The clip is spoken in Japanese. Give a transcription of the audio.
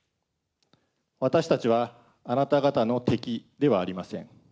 私たちは、あなた方の敵ではありません。